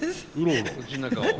うちの中を。